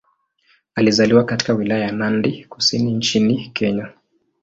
Alizaliwa katika Wilaya ya Nandi Kusini nchini Kenya.